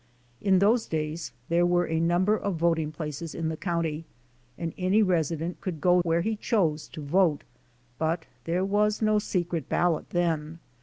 In those days there were a number of voting places in the county and any resident could go where he chose to vote, but there was no secret ballot then.